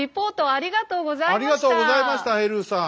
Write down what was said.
ありがとうございましたヘルーさん。